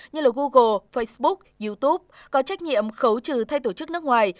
như là google facebook youtube có trách nhiệm khấu trừ thay tổ chức nước ngoài